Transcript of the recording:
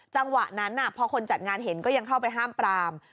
จังหวะนั้นพอคนจัดงานเห็นก็ยังเข้าไปห้ามปราม